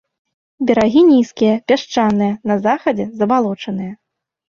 Берагі нізкія, пясчаныя, на захадзе забалочаныя.